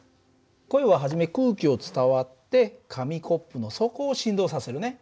声は初め空気を伝わって紙コップの底を振動させるね。